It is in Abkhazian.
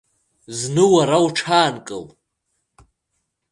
Зны уара уҽаанкыл!